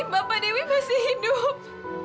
jadi dewi masih hidup